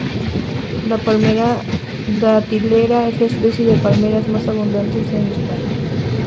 La palmera datilera es la especie de palmera más abundante en España.